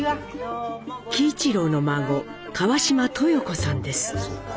喜一郎の孫・川島トヨコさんです。